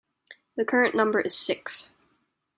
The current number is six.